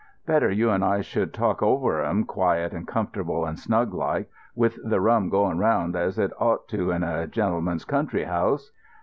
Better you and I should talk over 'em quiet and comfortable and snug like, with the rum going round as it ought to in a genelman's country house.